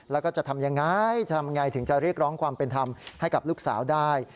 แล้วก็จะทำยังไงจะทำไงถึงจะเรียกร้องความเป็นธรรมให้กับลูกสาวได้